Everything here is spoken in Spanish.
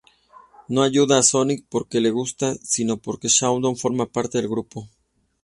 No ayuda a Sonic porque le guste, sino porque Shadow forma parte del grupo.